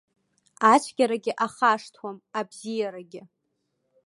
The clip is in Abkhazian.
Ацәгьарагьы ахашҭуам, абзиарагьы.